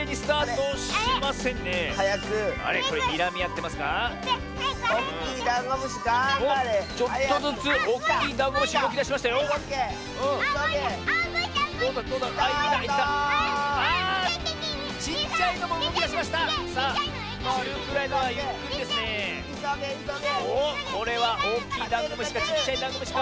おこれはおおきいダンゴムシかちっちゃいダンゴムシか？